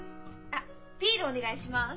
あっビールお願いします。